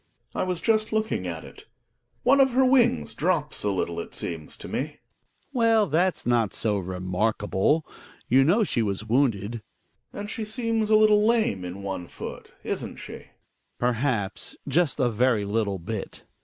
I was just looking at it One of her wings drops a little it seeras to me. Hjalmar. Well, that's not so remarkable; you know she was wounded. 72 THE WILD DUCK. Gbegebs. And she seems a little lame in one too\^ isn't she ? Hjalmar. Perhaps just a very little bit.